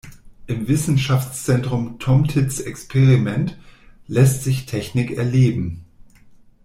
Im Wissenschaftszentrum "Tom Tits Experiment" lässt sich Technik erleben.